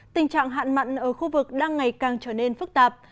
tình trạng hạn mặn ở khu vực đang ngày càng trở nên phức tạp